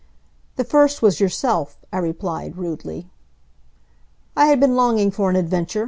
"The first was yourself," I replied, rudely. "I had been longing for an adventure.